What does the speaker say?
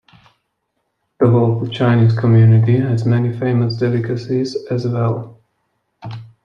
The local Chinese community has many famous delicacies as well.